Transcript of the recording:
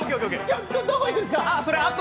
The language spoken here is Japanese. どこ行くんですか！？